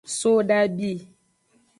Sodabi.